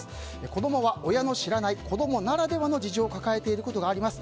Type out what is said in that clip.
子供は親の知らない子供ならではの事情を抱えていることがあります。